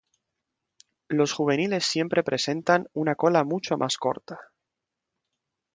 Los juveniles siempre presentan una cola mucho más corta.